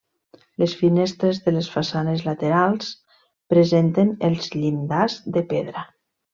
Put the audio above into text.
Les finestres de les façanes laterals presenten els llindars de pedra.